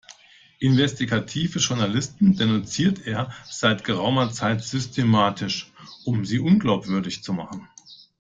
Investigative Journalisten denunziert er seit geraumer Zeit systematisch, um sie unglaubwürdig zu machen.